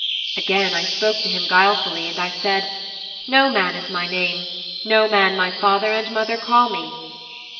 "' 'Again I spoke to him guilefully and said, "Noman is my name. Noman my father and my mother call me."'